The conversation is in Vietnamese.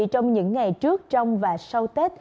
trong những ngày trước trong và sau tết